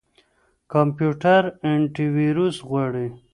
کمپيوټر انټيويروس غواړي.